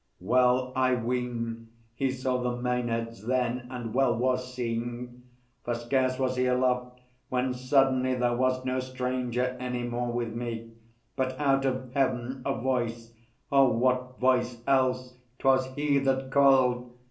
Well, I ween, He saw the Maenads then, and well was seen! For scarce was he aloft, when suddenly There was no Stranger any more with me, But out of Heaven a Voice oh, what voice else? 'Twas He that called!